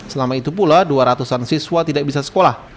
selama itu pula dua ratusan siswa tidak bisa sekolah